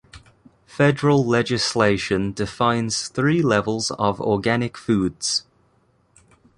Federal legislation defines three levels of organic foods.